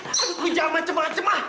aduh kuja macem macem mah